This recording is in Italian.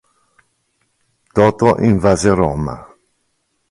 Toto invase Roma.